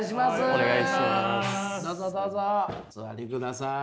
お願いします。